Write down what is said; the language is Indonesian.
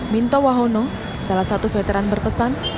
minto wahono salah satu veteran berpesan